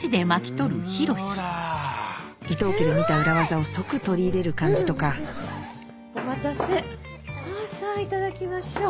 『伊東家』で見た裏ワザを即取り入れる感じとかお待たせさぁいただきましょう。